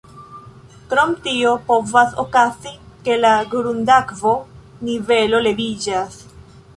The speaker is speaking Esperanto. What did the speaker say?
Krom tio povas okazi, ke la grundakvo-nivelo leviĝas.